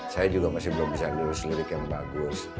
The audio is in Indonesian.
saya juga masih belum bisa lurus lirik yang bagus